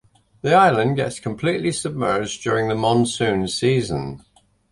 The island gets completely submerged during the monsoon season.